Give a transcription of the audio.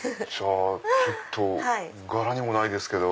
ちょっと柄にもないですけど。